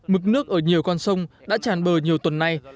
mực nước ở nhiều con sông đã tràn bờ nhiều tuần nay